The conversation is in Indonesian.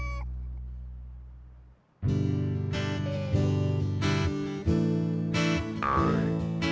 sampai jumpa lagi